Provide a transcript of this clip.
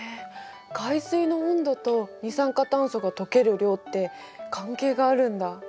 海水の温度と二酸化炭素が溶ける量って関係があるんだ。